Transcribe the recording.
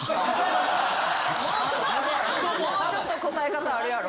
もうちょっとあるやろ。